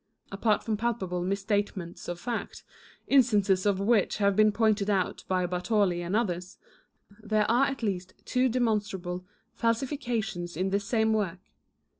Apart from palpable misstatements of fact, instances of which have been pointed out by Bartoli and others, 1 there are at least two demonstrable falsifications in this same work.